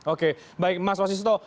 oke baik mas wasisto